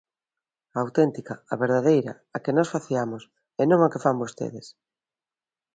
A auténtica, a verdadeira, a que nós faciamos, ¡e non a que fan vostedes!